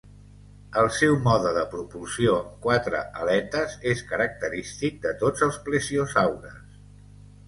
El seu mode de propulsió amb quatre aletes és característic de tots els plesiosaures.